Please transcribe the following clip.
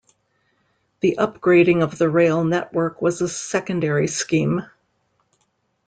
The upgrading of the rail network was a secondary scheme.